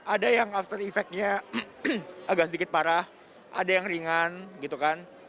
ada yang after effect nya agak sedikit parah ada yang ringan gitu kan